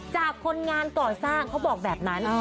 คนงานก่อสร้างเขาบอกแบบนั้น